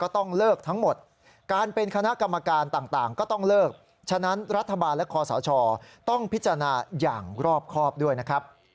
ต้องพิจารณาอย่างรอบครอบด้วยนะครับ